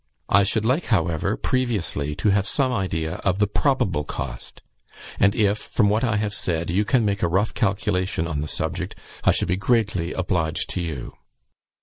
I should like, however, previously, to have some idea of the probable cost; and if, from what I have said, you can make a rough calculation on the subject, I should be greatly obliged to you."